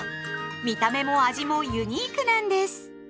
見た目も味もユニークなんです。